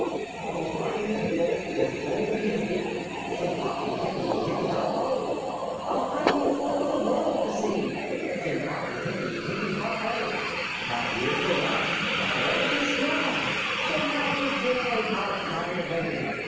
"Oh I'm as bold as bold can be! Sing hoppy hippy hippy hop o! I'll hie me forth the world to see! Sing hoppy hippy hippy hop o! My ears are long, My legs are strong, So now good day; I'll hie away!